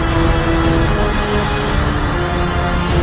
cari zwar terapi